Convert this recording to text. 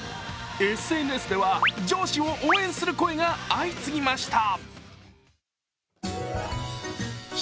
ＳＮＳでは、上司を応援する声が相次ぎました。